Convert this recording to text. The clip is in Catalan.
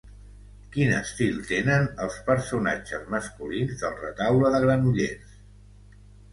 Quin estil tenen els personatges masculins del retaule de Granollers?